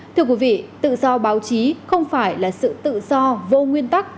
thưa quý vị tự do báo chí không phải là sự tự do vô nguyên tắc